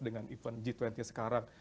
dengan event g dua puluh sekarang